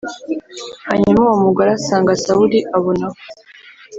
Hanyuma uwo mugore asanga Sawuli abona ko